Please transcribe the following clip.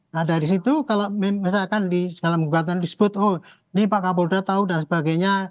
nah dari situ kalau misalkan di dalam gugatan disebut oh ini pak kapolda tahu dan sebagainya